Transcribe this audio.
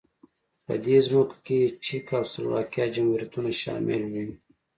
په دې ځمکو کې چک او سلواکیا جمهوریتونه شامل وو.